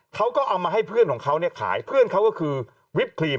เขาก็เอามาให้เพื่อนของเขาเนี่ยขายเพื่อนเขาก็คือวิปครีม